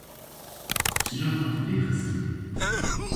Çira hat vêxistin